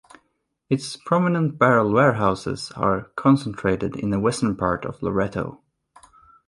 Its prominent barrel warehouses are concentrated in the western part of Loretto.